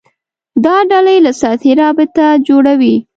دا ډلې له سلطې رابطه جوړوي